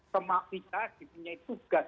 semakin kita punya tugas